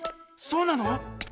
そうなの？